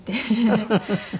フフフフ。